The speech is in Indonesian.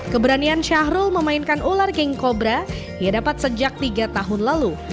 keberanian syahrul memainkan ular king cobra ia dapat sejak tiga tahun lalu